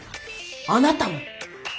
あなたも？